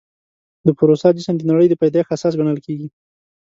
د پوروسا جسم د نړۍ د پیدایښت اساس ګڼل کېږي.